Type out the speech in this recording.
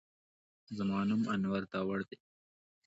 زما نوم انور داوړ دی